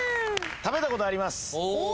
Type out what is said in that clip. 食べたことあります